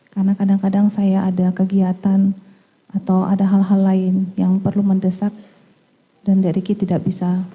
karena kadang kadang saya ada kegiatan atau ada hal hal lain yang perlu mendesak dan d ricky tidak bisa